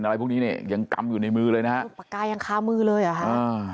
อะไรพวกนี้เนี่ยยังกำอยู่ในมือเลยนะฮะคือปากกายังคามือเลยเหรอฮะอ่า